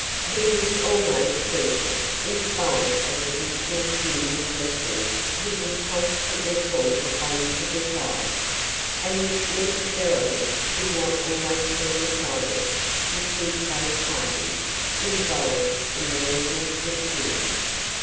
He was always gentle, in spite of the difficult human questions he was constantly called upon to decide, and which necessarily could not always be decided to suit both parties involved in the legal dispute.